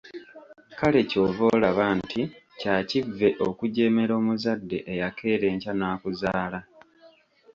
Kale ky'ova olaba nti kya kivve okujeemera omuzadde eyakeera enkya n’akuzaala.